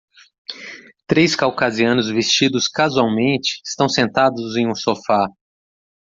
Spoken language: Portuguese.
Três caucasianos vestidos casualmente estão sentados em um sofá.